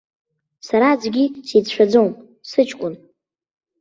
Сара аӡәгьы сицәшәаӡом, сыҷкәын.